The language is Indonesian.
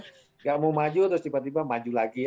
tidak mau maju terus tiba tiba maju lagi